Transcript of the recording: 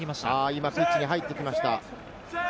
今、ピッチに入ってきました。